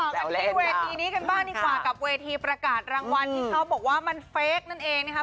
กันที่เวทีนี้กันบ้างดีกว่ากับเวทีประกาศรางวัลที่เขาบอกว่ามันเฟคนั่นเองนะครับ